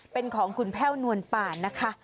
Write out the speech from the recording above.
เป็นของคุณแพ่วนวลป่านนะคะ